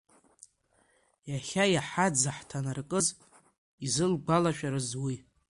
Иахьа иаҳа дзыхҭанакрыз, изылгәалашәарыз уи…